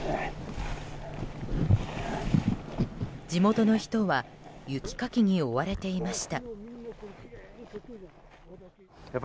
地元の人は雪かきに追われていました。